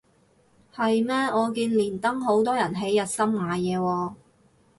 係咩我見連登好多人係日森買嘢喎